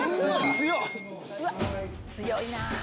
強いなぁ。